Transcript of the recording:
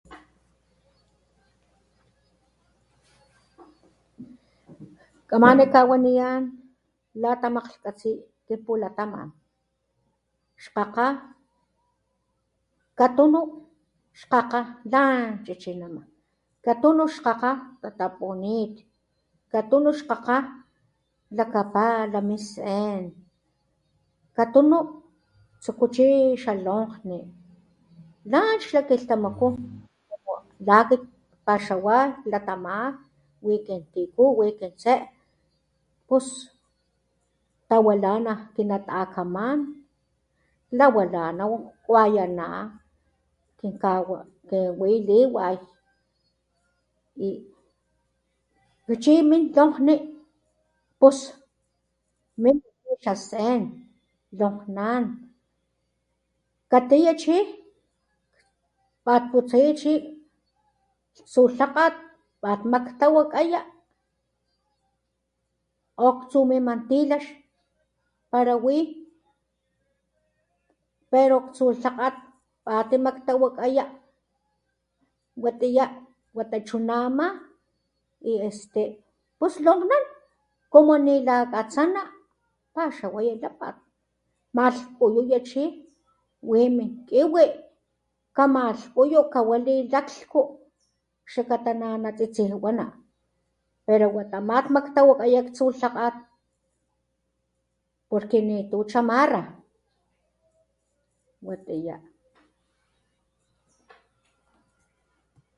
Kamani kawaniyan latamajkgatsi kin pulataman. Xkgakga katunu xkgakga lan chichinama, katunu xkgakga tatapunit, katunu xkgakga lakapala min sen katunu tsuku chi xa lonkgni lan xla kilhtamaku la akit kpaxawa klatama wi kin tiku wi kintse pus tawilana kinatakaman lawilanaw kwayana kinka wiliway, akxni chi min lonkgni pus min xa sen lonkgnan katiya chi patputsaya chi tsu lhakgat patmaktawakaya o ktsu mimantilax pala wi pero ktsu lhakgat patimaktawakaya watiya wata chuna ama y este pus lonkgnan como nila katsana paxawaya lapat malhkuyuya chi, wi min kiwi kamalhkuyu kawali laklhku xlakata nanatsitsijwana pero wata patmaktawakaya aktsu lhakgat porque nitu chamarra. Watiya.